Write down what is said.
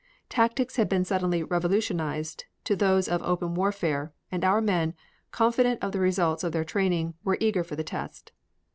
Tactics had been suddenly revolutionized to those of open warfare, and our men, confident of the results of their training, were eager for the test.